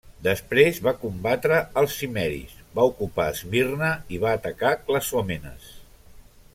Després va combatre als cimmeris, va ocupar Esmirna i va atacar Clazòmenes.